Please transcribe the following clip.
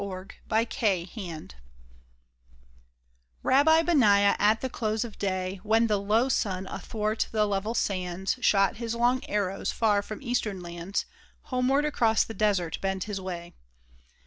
RABBI BENAIAH Rabbi Benaiah at the close of day, When the low sun athwart the level sands Shot his long arrows, from far Eastern lands Homeward across the desert bent his way.